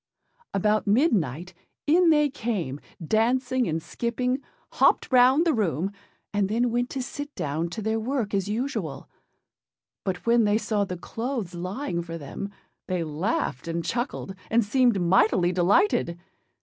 About midnight in they came, dancing and skipping, hopped round the room, and then went to sit down to their work as usual; but when they saw the clothes lying for them, they laughed and chuckled, and seemed mightily delighted.